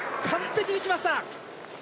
完璧に来ました！